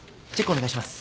お願いします。